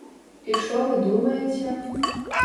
І што вы думаеце?